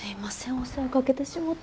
お世話かけてしもて。